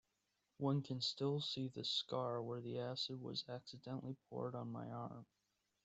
One can still see the scar where the acid was accidentally poured on my arm.